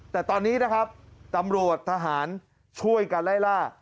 แต่ตอนนี้นะครับตำรวจทหารช่วยกันไล่ล่า